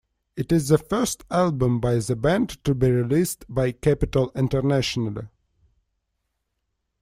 It is the first album by the band to be released by Capitol internationally.